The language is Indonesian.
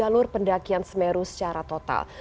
dan menutup jalur pendakian di jawa timur dan semeru secara total